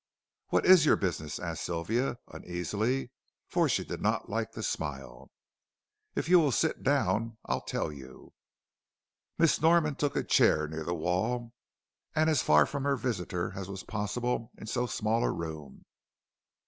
"What is your business?" asked Sylvia, uneasily, for she did not like the smile. "If you will sit down, I'll tell you." Miss Norman took a chair near the wall, and as far from her visitor as was possible in so small a room.